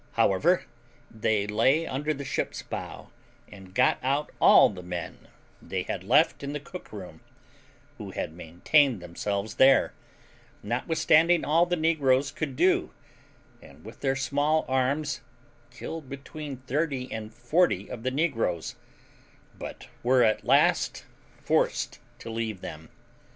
However, they lay under the ship's bow, and got out all the men they had left in the cook room, who had maintained themselves there, notwithstanding all the negroes could do, and with their small arms killed between thirty and forty of the negroes, but were at last forced to leave them.